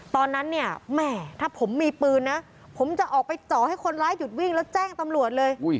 ตอนนั้นเนี่ยแม่ถ้าผมมีปืนนะผมจะออกไปเจาะให้คนร้ายหยุดวิ่งแล้วแจ้งตำรวจเลย